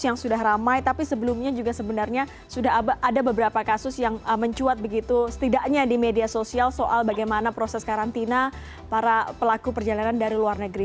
yang sudah ramai tapi sebelumnya juga sebenarnya sudah ada beberapa kasus yang mencuat begitu setidaknya di media sosial soal bagaimana proses karantina para pelaku perjalanan dari luar negeri